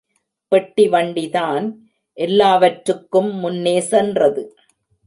பெட்டி வண்டி தான் எல்லாவற்றுக்கும் முன்னே சென்றது.